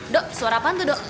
dok suara apa tuh dok